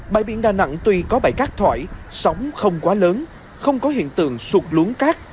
bãi biển đà nẵng tuy có bãi cát thỏi sóng không quá lớn không có hiện tượng sụt lún cát